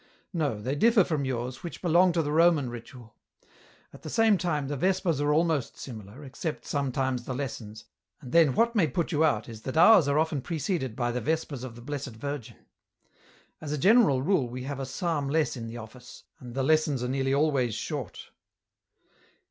" No, they differ from yours, which belong to the Roman ritual. At the same time, the Vespers are almost similar, except sometimes the lessons, and then what may put you out is that ours are often preceded by the Vespers of the Blessed Virgin. As a general rule we have a psalm less in the office, and the lessons are nearly always short.